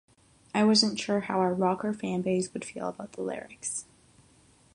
I wasn't sure how our rocker fanbase would feel about the lyrics.